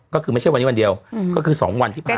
ก็คือไม่ใช่วันนี้วันเดียวก็คือ๒วันที่ผ่าน